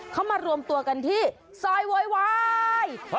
เขามารวมตัวกันที่ซอยโวยวาย